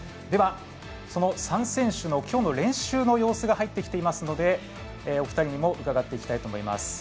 その３選手のきょうの練習の様子が入ってきていますのでお二人にも伺っていきたいと思います。